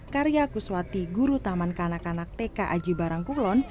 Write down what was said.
karya kuswati guru taman kanak kanak tk aji barang kulon